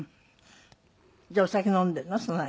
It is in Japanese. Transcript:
じゃあお酒飲んでるの？